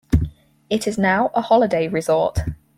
It is now a holiday resort.